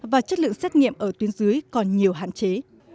và chất lượng xét nghiệm ở tuyến dưới còn nhiều hạn chế